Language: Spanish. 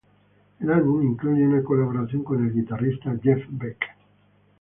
El álbum incluye una colaboración con el guitarrista Jeff Beck.